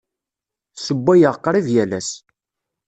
Ssewwayeɣ qrib yal ass.